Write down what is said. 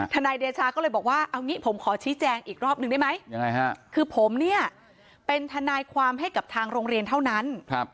นายเดชาก็เลยบอกว่าเอางี้ผมขอชี้แจงอีกรอบนึงได้ไหมคือผมเนี่ยเป็นทนายความให้กับทางโรงเรียนเท่านั้น